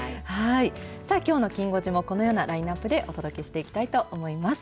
きょうのきん５時もこのようなラインナップでお届けしていきたいと思います。